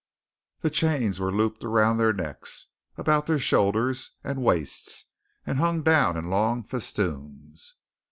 The chains were looped around their necks, about their shoulders and waists, and hung down in long festoons.